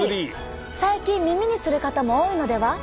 最近耳にする方も多いのでは？